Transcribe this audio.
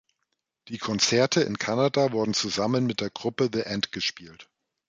Die Konzerte in Kanada wurden zusammen mit der Gruppe The End gespielt.